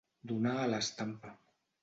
Donar a l'estampa.